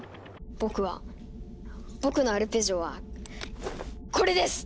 僕は僕のアルペジオはこれです！